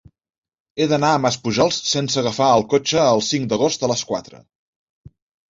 He d'anar a Maspujols sense agafar el cotxe el cinc d'agost a les quatre.